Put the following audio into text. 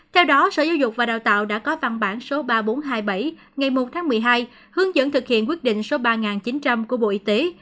theo đó sở giáo dục và đào tạo đã có văn bản số ba nghìn bốn trăm hai mươi bảy ngày một tháng một mươi hai hướng dẫn thực hiện quyết định số ba chín trăm linh của bộ y tế